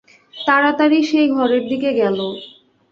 তাড়াতাড়ি সেই ঘরের দিকে গেল।